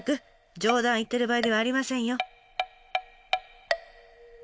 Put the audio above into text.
冗談言ってる場合ではありませんよ。